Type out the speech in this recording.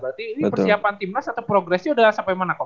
berarti ini persiapan tim nas atau progressnya udah sampai mana kok